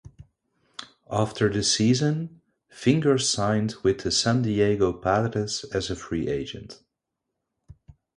After the season, Fingers signed with the San Diego Padres as a free agent.